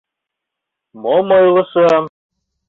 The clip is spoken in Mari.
— Мом ойлышым?